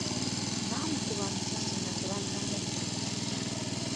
Baamukuba amasasi nga tebannamubba.